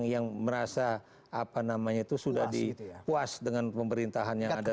yang merasa apa namanya itu sudah di puas dengan pemerintahan yang ada sekarang